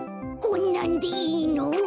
こんなんでいいの？